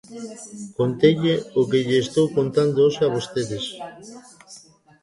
Conteille o que lle estou contando hoxe a vostedes.